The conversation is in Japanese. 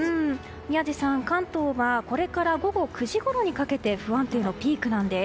宮司さん、関東はこれから午後９時ごろにかけて不安定のピークなんです。